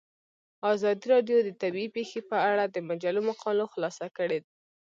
ازادي راډیو د طبیعي پېښې په اړه د مجلو مقالو خلاصه کړې.